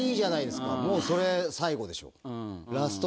もうそれ最後でしょ。